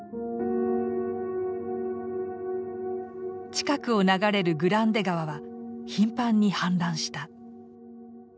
近くを流れるグランデ川は頻繁に氾濫した。